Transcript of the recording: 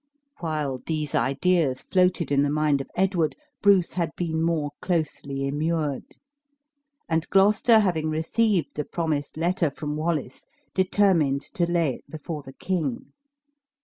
While these ideas floated in the mind of Edward, Bruce had been more closely immured. And Gloucester having received the promised letter from Wallace, determined to lay it before the king.